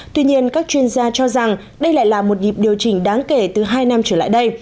tuy nhiên các chuyên gia cho rằng đây lại là một nhịp điều chỉnh đáng kể từ hai năm trở lại đây